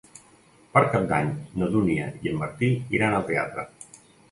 Per Cap d'Any na Dúnia i en Martí iran al teatre.